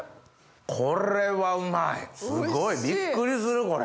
これはうまいすごいびっくりするこれ。